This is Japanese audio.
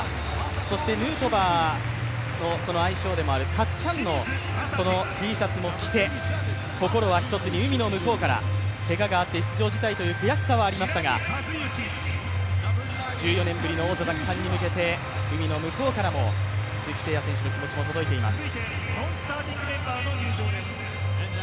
そしてヌートバーの愛称でもあるたっちゃんのＴシャツも着て心は一つに、海の向こうからけががあって出場辞退という悔しさはありましたが、１４年ぶりの王座奪還に向けて海の向こうからも鈴木誠也さんの気持ちも届いています。